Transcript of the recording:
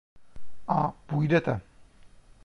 A půjdete.